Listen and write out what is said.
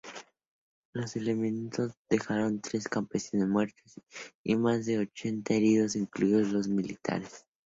Los levantamientos dejaron tres campesinos muertos y más de ochenta heridos incluidos los militares.